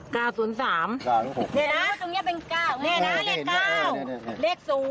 นี่นะเลข๙